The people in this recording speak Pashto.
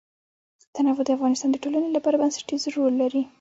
تنوع د افغانستان د ټولنې لپاره بنسټيز رول لري.